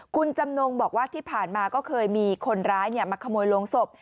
คุณจำนงบอกว่าที่ผ่านมาก็เคยมีคนร้ายมาขโมยโรงศพ